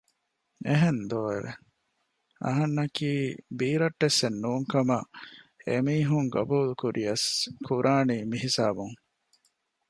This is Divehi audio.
އެހެންދޯ އެވެ! އަހަންނަކީ ބީރައްޓެއްސެން ނޫން ކަމަށް އެމީހުން ގަބޫލުކުރިޔަސް ކުރާނީ މިހިސާބުން